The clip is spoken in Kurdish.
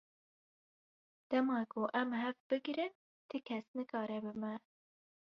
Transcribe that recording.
Dema ku em hev bigrin ti kes nikare bi me.